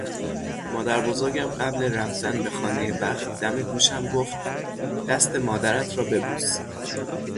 مادربزرگم قبل رفتن به خانهی بخت دم گوشم گفت: دست مادرت را ببوس